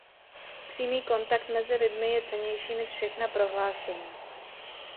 Přímý kontakt mezi lidmi je cennější než všechna prohlášení.